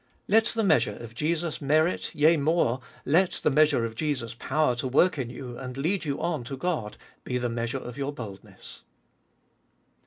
Let the measure of Jesus' merit, yea more, let the measure of Jesus' power to work in you and lead you on to God, be the measure of your boldness.